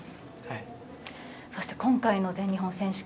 そして今回の全日本選手権